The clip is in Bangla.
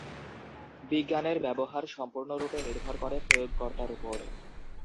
বিজ্ঞানের ব্যবহার সম্পূর্ণরূপে নির্ভর করে প্রয়োগ কর্তার উপর।